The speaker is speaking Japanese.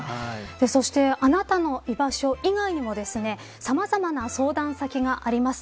そしてあなたのいばしょ以外にもさまざまな相談先があります。